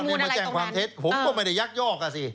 นี่มาแจ้งความเท็จผมก็ไม่ได้ยักยอกอ่ะสิ